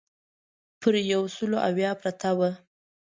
پر یو سل اویا پرته وه.